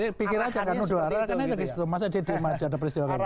ya pikir aja kan nuduh arahannya di situ masa di jerman jatuh peristiwa gini